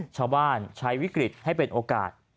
ชาวบ้านใช้วิกฤตให้เป็นโอกาส